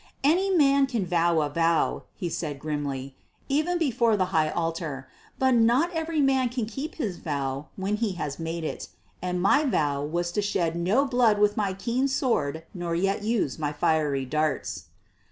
"Any man can vow a vow," he said grimly, "even before the high altar, but not every man can keep his vow when he has made it; and my vow was to shed no blood with my keen sword nor yet to use my fiery darts."